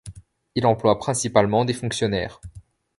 Il emploie principalement des fonctionnaires.